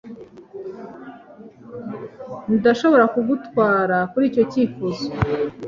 Ndashobora kugutwara kuri icyo cyifuzo.